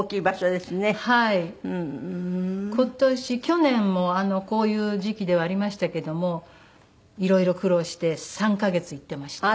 今年去年もこういう時期ではありましたけどもいろいろ苦労して３カ月行ってました。